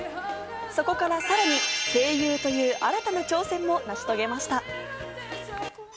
そこからさらに声優という新たな挑戦も成し遂げました。